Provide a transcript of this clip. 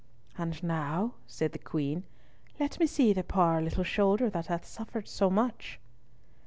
"And now," said the Queen, "let me see the poor little shoulder that hath suffered so much."